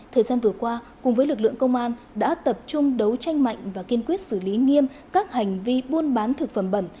thời gian vừa qua cùng với lực lượng công an đã tập trung đấu tranh mạnh và kiên quyết xử lý nghiêm các hành vi buôn bán thực phẩm bẩn